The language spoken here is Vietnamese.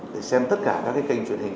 để xem tất cả các kênh truyền hình